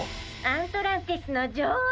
アントランティスのじょおう！